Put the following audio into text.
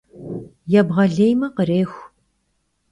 Yêbğelêyme — khrêxu.